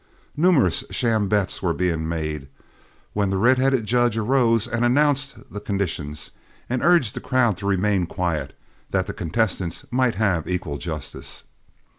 Numerous sham bets were being made, when the redheaded judge arose and announced the conditions, and urged the crowd to remain quiet, that the contestants might have equal justice.